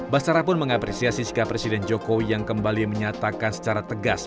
basara pun mengapresiasi sikap presiden jokowi yang kembali menyatakan secara tegas